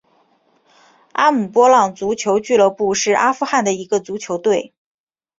阿姆波浪足球俱乐部是阿富汗的一个足球队。